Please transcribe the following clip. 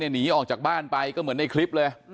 หนีออกจากบ้านไปก็เหมือนในคลิปเลย